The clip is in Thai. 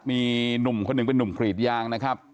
มีหนุ่มคนหนึ่งเป็นนุ่มกรีดยางนะครับ